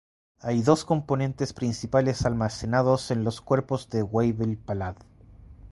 Hay dos componentes principales almacenados en los cuerpos de Weibel-Palade.